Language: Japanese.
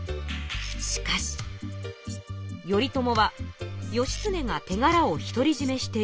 しかし頼朝は義経がてがらを独りじめしている。